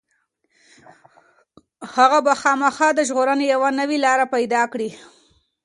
هغه به خامخا د ژغورنې یوه نوې لاره پيدا کړي.